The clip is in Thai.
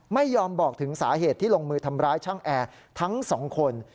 ไม่ยอมบอกถึงสาเหตุที่ลงมือทำร้ายช่างแอร์ทั้งสองคน